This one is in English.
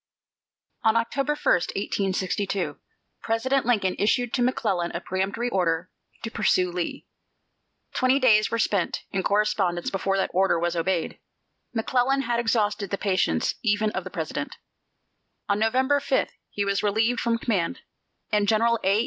On October 1, 1862, President Lincoln issued to McClellan a peremptory order to pursue Lee. Twenty days were spent in correspondence before that order was obeyed. McClellan had exhausted the patience even of the President. On November 5 he was relieved from command, and General A.